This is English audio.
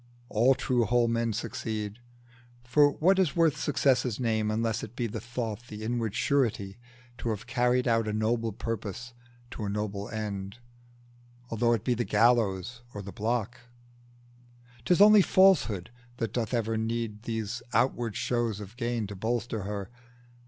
All true, whole men succeed: for what is worth Success's name, unless it be the thought, The inward surety, to have carried out A noble purpose to a noble end, Although it be the gallows or the block? 'Tis only Falsehood that doth ever need These outward shows of gain to bolster her.